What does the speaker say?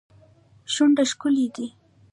شونډه ښکلې دي.